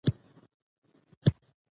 د پلار خدمت کول لوی سعادت دی.